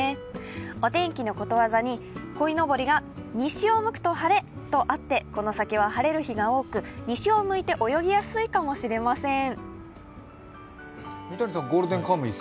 お天気のことわざに「こいのぼりが西を向くと晴れ」とあってこの先は晴れる日が多く、西を向いて泳ぎやすいかもしれません。